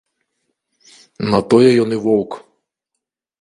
На тое ён і воўк!